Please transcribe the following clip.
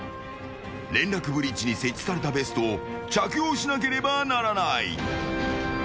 連絡ブリッジに設置されたベストを着用しなければならない。